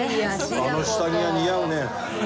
あの下着が似合うね。